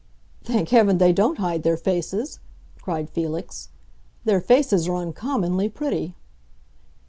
"Thank Heaven they don't hide their faces!" cried Felix. "Their faces are uncommonly pretty."